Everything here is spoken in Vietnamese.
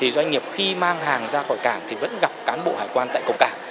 doanh nghiệp khi mang hàng ra khỏi cảng vẫn gặp cán bộ hải quan tại cổng cảng